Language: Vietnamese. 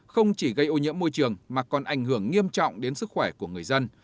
không chỉ gây ô nhiễm môi trường mà còn ảnh hưởng nghiêm trọng đến sức khỏe của người dân